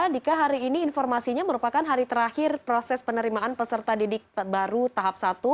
dika hari ini informasinya merupakan hari terakhir proses penerimaan peserta didik baru tahap satu